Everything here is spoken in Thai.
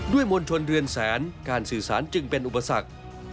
มวลชนเรือนแสนการสื่อสารจึงเป็นอุปสรรค